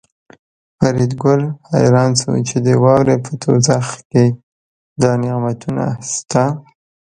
فریدګل حیران شو چې د واورې په دوزخ کې دا نعمتونه شته